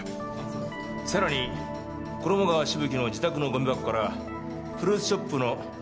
さらに衣川しぶきの自宅のゴミ箱からフルーツショップのレシートが見つかっている。